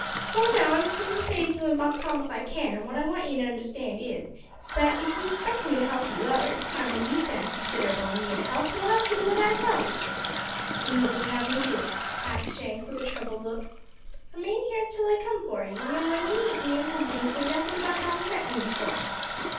Well, now, I'm keen to save you an' Buck Tom if I can, and what I want you to understand is, that if you expect me to help you at a time when you stand considerable in need o' help, you'll have to do what I tell 'ee." "And what would you have me do?" asked Shank, with a troubled look. "Remain here till I come for 'ee, and when you meet me in company say nothin' about havin' met me before."